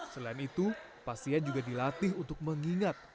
selain itu pasien juga dilatih untuk mengingat